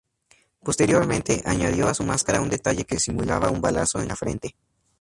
Posteriormente, añadió a su máscara un detalle que simulaba un balazo en la frente.